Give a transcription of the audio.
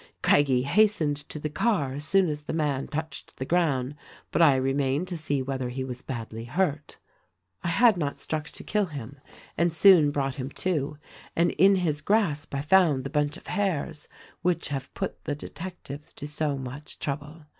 "Craggie hastened to the car as soon as the man touched the ground ; but I remained to see whether he was badly 258 THE RECORDING ANGEL hurt. I had not struck to kill him, and soon brought him to ; and in his grasp I found the bunch of hairs which have put the detectives to so much trouble.